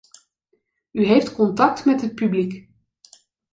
U heeft contact met het publiek.